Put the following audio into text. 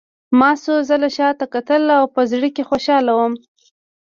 ما څو ځله شا ته کتل او په زړه کې خوشحاله وم